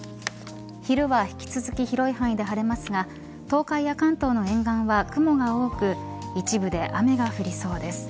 昼は引き続き広い範囲で晴れますが東海や関東の沿岸は雲が多く一部で雨が降りそうです。